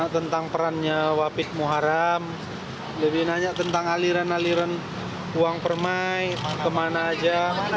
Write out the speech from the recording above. tentang perannya wapis muharam lebih nanya tentang aliran aliran uang permai kemana aja